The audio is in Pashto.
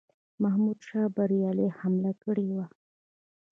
محمودشاه بریالی حمله کړې وه.